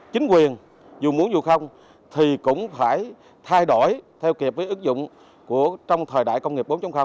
chính quyền dù muốn dù không thì cũng phải thay đổi theo kịp với ước dụng trong thời đại công nghiệp bốn